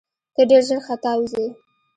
ته ډېر ژر ختاوزې !